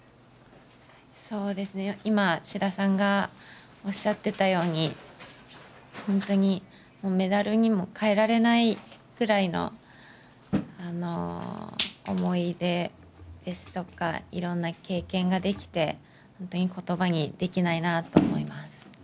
そうですね、今、志田さんがおっしゃっていたように、本当に、メダルにも代えられないくらいの思い出ですとか、いろんな経験ができて、本当にことばにできないなと思います。